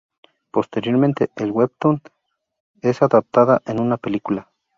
Posteriormente el webtoon es adaptada en una película.